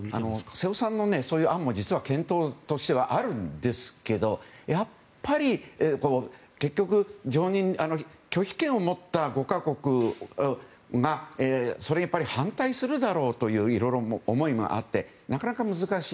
瀬尾さんの案は検討としてはあるんですけどやっぱり結局拒否権を持った５か国が反対するだろうという思いもあってなかなか難しい。